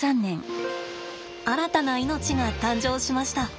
新たな命が誕生しました。